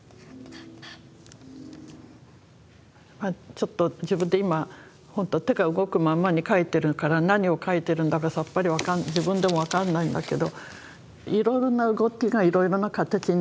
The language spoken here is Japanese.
ちょっと自分で今ほんと手が動くままに描いてるから何を描いてるんだかさっぱり自分でも分からないんだけどいろいろな動きがいろいろなカタチになっていく。